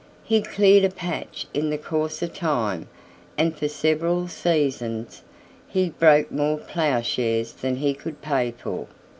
He cleared a patch in the course of time and for several seasons he broke more ploughshares than he could pay for.